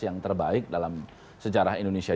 yang terbaik dalam sejarah indonesia